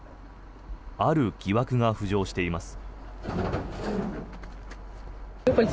ある疑惑が浮上しています。